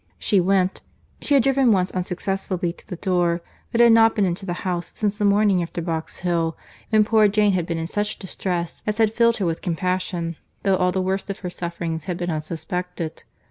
She went—she had driven once unsuccessfully to the door, but had not been into the house since the morning after Box Hill, when poor Jane had been in such distress as had filled her with compassion, though all the worst of her sufferings had been unsuspected.